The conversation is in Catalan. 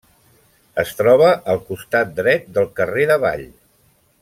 Es troba al costat dret del carrer d'Avall.